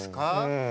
うん。